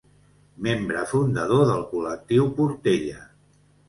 Membre fundador del Col·lectiu Portella.